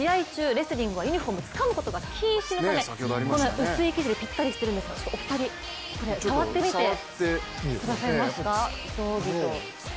レスリングはユニフォームをつかむことが禁止されているためこの薄い生地でぴったりしてるんですがお二人、触ってみてくださいますか？